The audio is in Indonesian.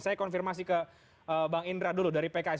saya konfirmasi ke bang indra dulu dari pks